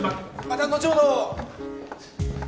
また後ほど。